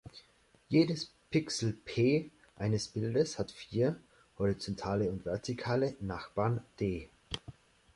Jedes Pixel "P" eines Bildes hat vier, horizontale und vertikale, Nachbarn "D".